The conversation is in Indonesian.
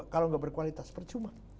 kalau nggak berkualitas percuma